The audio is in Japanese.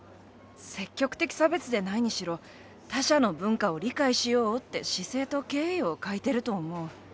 積極的差別でないにしろ他者の文化を理解しようって姿勢と敬意を欠いてると思う。